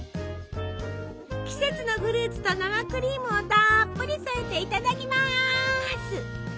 季節のフルーツと生クリームをたっぷり添えていただきます！